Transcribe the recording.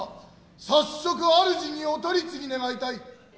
早速主にお取り次ぎ願いたい。